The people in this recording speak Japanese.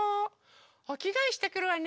おきがえしてくるわね。